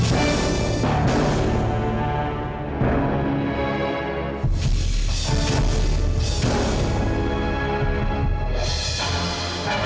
aksan akan terus meminta maaf pada tania